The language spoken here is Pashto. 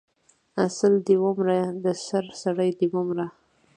سل دی ومره د سر سړی د مه مره